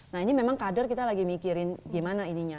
nah ini memang kader kita lagi mikirin gimana ininya